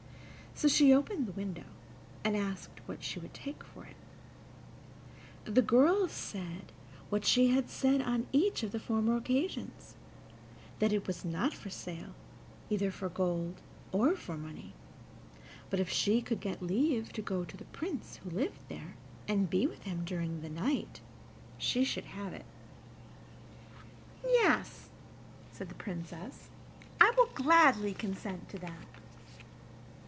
So she opened the window, and asked what she would take for it. The girl said what she had said on each of the former occasions that it was not for sale either for gold or for money, but if she could get leave to go to the Prince who lived there, and be with him during the night, she should have it. "Yes," said the Princess, "I will gladly consent to that."